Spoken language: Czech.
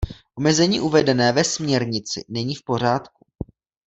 Omezení uvedené ve směrnici není v pořádku.